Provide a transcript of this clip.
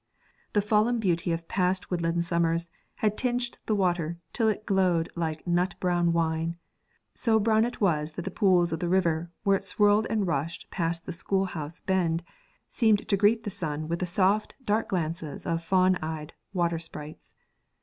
The fallen beauty of past woodland summers had tinged the water till it glowed like nut brown wine; so brown it was that the pools of the river, where it swirled and rushed past the schoolhouse bend, seemed to greet the sun with the soft dark glances of fawn eyed water sprites.